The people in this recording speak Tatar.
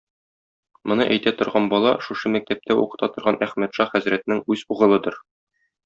Моны әйтә торган бала шушы мәктәптә укыта торган Әхмәтша хәзрәтнең үз угылыдыр.